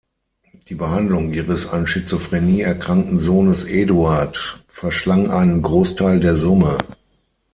Die Behandlung ihres an Schizophrenie erkrankten Sohnes Eduard verschlang einen Großteil der Summe.